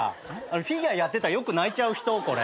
フィギュアやってたよく泣いちゃう人これ。